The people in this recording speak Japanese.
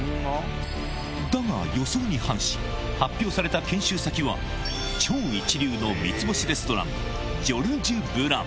だが予想に反し、発表された研修先は、超一流の三ツ星レストラン、ジョルジュ・ブラン。